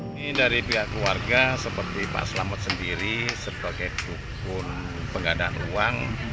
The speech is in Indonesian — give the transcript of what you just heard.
ini dari pihak keluarga seperti pak selamet sendiri sebagai dukun penggandaan uang